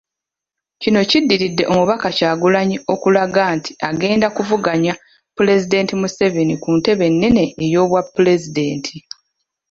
Kino kiddiridde Omubaka Kyagulanyi okulaga nti agenda kuvuganya Pulezidenti Museveni ku ntebe ennene ey'obwapulezidenti.